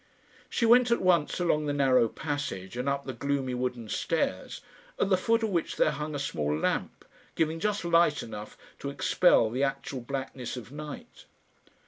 She went at once along the narrow passage and up the gloomy wooden stairs, at the foot of which there hung a small lamp, giving just light enough to expel the actual blackness of night.